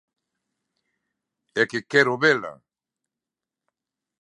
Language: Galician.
É que quero vela.